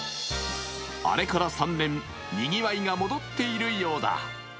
あれから３年、にぎわいが戻っているようだ。